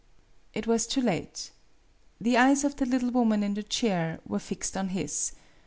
It was too late. The eyes of the little woman in the chair were fixed on his.